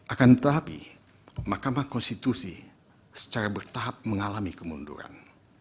akan tetapi mahkamah konstitusi secara bertahap mengalami kemunduran